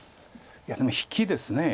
いやでも引きですね。